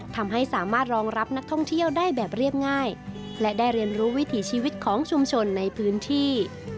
ทำให้สามารถรองรับนักท่องเที่ยวได้แบบเรียบง่ายและได้เรียนรู้วิถีชีวิตของชุมชนในพื้นที่